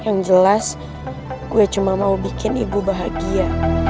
yang jelas gue cuma mau bikin ibu bahagia